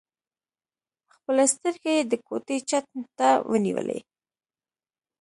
خپلې سترګې يې د کوټې چت ته ونيولې.